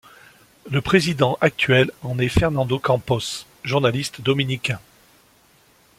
Le président actuel en est Fernando Campos, journaliste dominicain.